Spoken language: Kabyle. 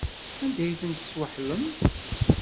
Anda ay ten-tesweḥlem?